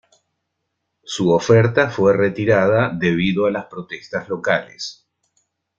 Su oferta fue retirada debido a las protestas locales.